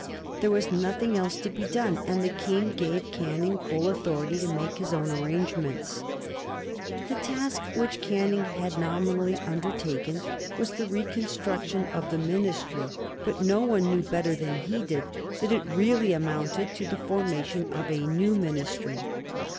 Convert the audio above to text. There was nothing else to be done, and the King gave Canning full authority to make his own arrangements. [Sidenote: 1827 Defection among Canning's supporters] The task which Canning had nominally undertaken was the reconstruction of the Ministry, but no one knew better than he did that it really amounted to the formation of a new Ministry.